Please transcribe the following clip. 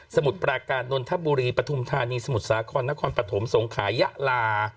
มุดปราการนนทบุรีปฐุมธานีสมุทรสาครนครปฐมสงขายะลา